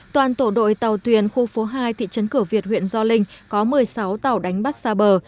toàn tổ đội tàu thuyền khu phố hai thị trấn cửa việt huyện gio linh có một mươi sáu tàu đánh bắt xa bờ